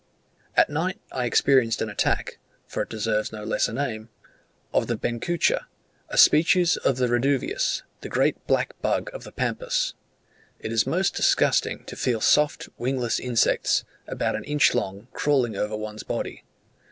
At night I experienced an attack (for it deserves no less a name) of the Benchuca, a species of Reduvius, the great black bug of the Pampas. It is most disgusting to feel soft wingless insects, about an inch long, crawling over one's body.